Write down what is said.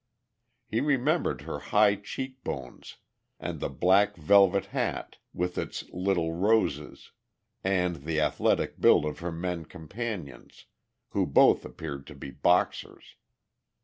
He remembered her high cheek bones, and the black velvet hat with its little roses, and the athletic build of her men companions, who both appeared to be boxers.